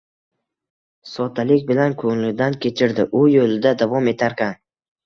soddalik bilan ko‘nglidan kechirdi u yo‘lida davom etarkan.